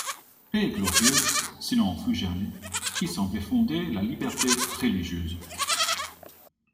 Paix glorieuse, s'il en fut jamais, qui semblait fonder la liberté religieuse.